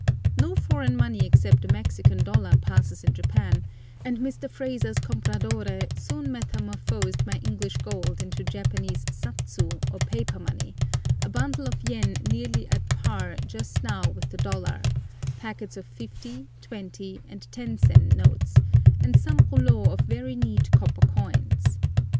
No foreign money except the Mexican dollar passes in Japan, and Mr. Fraser's compradore soon metamorphosed my English gold into Japanese satsu or paper money, a bundle of yen nearly at par just now with the dollar, packets of 50, 20, and 10 sen notes, and some rouleaux of very neat copper coins.